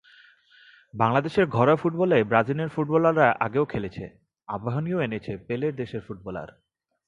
বাংলাদেশের ঘরোয়া ফুটবলে ব্রাজিলিয়ান ফুটবলার আগেও খেলেছে, আবাহনীও এনেছে পেলের দেশের ফুটবলার।